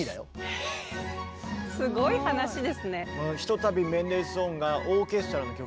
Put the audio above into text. えぇすごい話ですね。